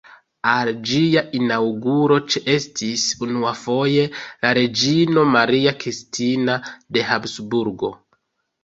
Al ĝia inaŭguro ĉeestis unuafoje la reĝino Maria Kristina de Habsburgo.